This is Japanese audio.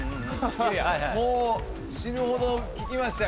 もう死ぬほど聞きましたよ